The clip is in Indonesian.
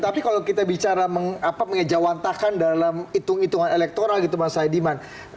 tapi kalau kita bicara mengejawantakan dalam hitung hitungan elektoral gitu mas haidiman